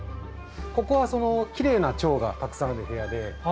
ここはきれいなチョウがたくさんある部屋で。